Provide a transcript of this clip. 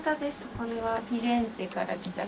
これはフィレンツェから来た木型です。